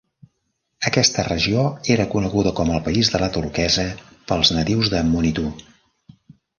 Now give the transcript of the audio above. Aquesta regió era coneguda com el "País de la turquesa" pels nadius de Monitu.